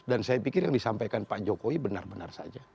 dan saya pikir yang disampaikan pak jokowi benar benar saja